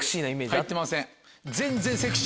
入ってません。